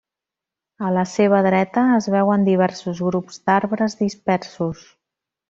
A la seva dreta es veuen diversos grups d'arbres dispersos.